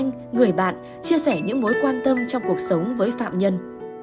những cán bộ quản giáo lại trở thành người anh người bạn chia sẻ những mối quan tâm trong cuộc sống với phạm nhân